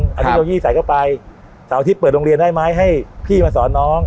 กับผู้ที่โยงดีใส่เข้าไปเสาที่เปิดโรงเรียนได้ไหมให้พี่มาสอนน้อง